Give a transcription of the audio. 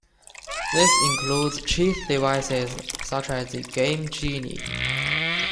This includes cheat devices, such as the Game Genie.